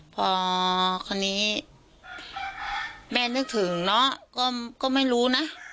พอคนนี้แม่นึกถึงเนาะก็ไม่รู้นะ